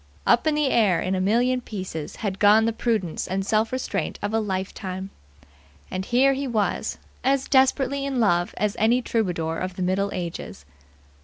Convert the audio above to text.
Up in the air in a million pieces had gone the prudence and self restraint of a lifetime. And here he was, as desperately in love as any troubadour of the Middle Ages.